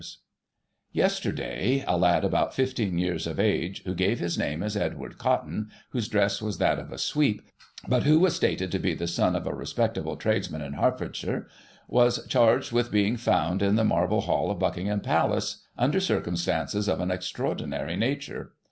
'*— Yesterday, a lad about 15 years of age, who gave his name as Edward Cotton, whose dress was that of a sweep, but who was stated to be the son of a respectable tradesman in Hertfordshire, was charged with being found in the Marble hall of Buckingham Palace, tinder circumstances of an extraordinary nature.